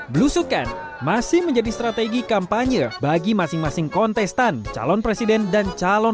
belusukan masih menjadi strategi kampanye bagi masing masing kontestan calon presiden dan calon